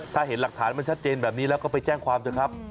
ถ้าเห็นหลักฐานมันชัดเจนแบบนี้แล้วก็ไปแจ้งความเถอะครับ